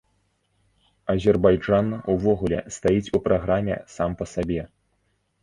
Азербайджан увогуле стаіць у праграме сам па сабе.